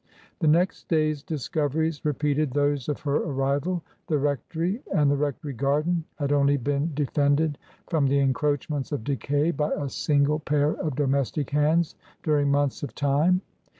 The next day's discoveries repeated those of her arrival. The rectory and the rectory garden had only been defended from the encroachments of decay by a single pair of domestic hands during months of time.